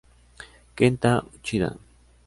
Kenta Uchida